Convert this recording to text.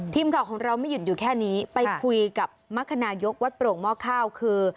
ทีมข่าวของเราไม่หยุดอยู่แค่นี้ไปคุยกับมรรคนายกวัดโปร่งหม้อข้าวคือ